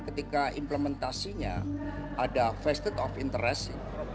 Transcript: ketika implementasinya ada vested of interest